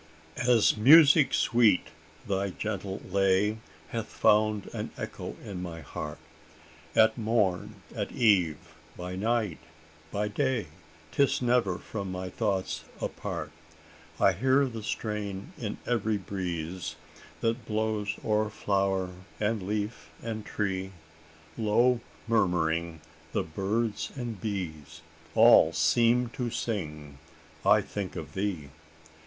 "As music sweet, thy gentle lay Hath found an echo in my heart; At morn, at eve, by night, by day, 'Tis never from my thoughts apart: I hear the strain in every breeze That blows o'er flower, and leaf, and tree; Low murmuring, the birds and bees All seem to sing I think of thee!